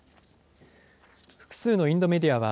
複数のインドメディアは、